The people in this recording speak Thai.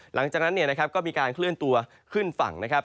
หลังจากนั้นก็มีการเคลื่อนตัวขึ้นฝั่งนะครับ